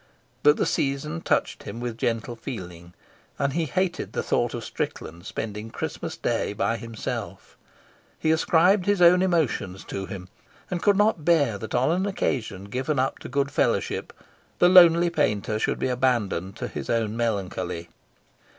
But the season touched him with gentle feeling, and he hated the thought of Strickland spending Christmas Day by himself; he ascribed his own emotions to him, and could not bear that on an occasion given up to good fellowship the lonely painter should be abandoned to his own melancholy.